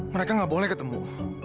mereka gak boleh ketemu